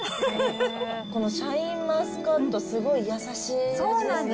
このシャインマスカット、すごい優しい味ですね。